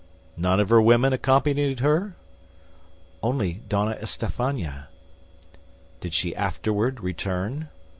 "None of her women accompanied her?" "Only Donna Estafania." "Did she afterward return?"